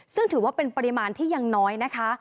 ซึ่งถือว่าเป็นปริมาณที่ยังน้อยนะคะ